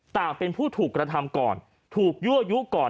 ต่างเป็นผู้ถูกกระทำก่อนถูกยั่วยุก่อน